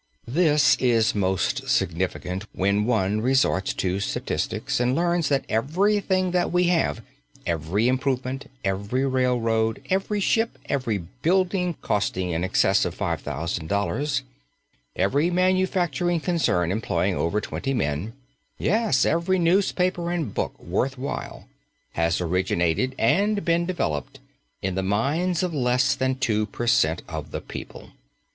This is most significant when one resorts to statistics and learns that everything that we have, every improvement, every railroad, every ship, every building costing in excess of $5,000, every manufacturing concern employing over twenty men, yes, every newspaper and book worth while, has originated and been developed in the minds of less than two per cent. of the people.